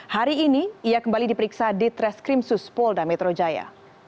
hari ini ia kembali diperiksa di treskrim suspolda metro jaya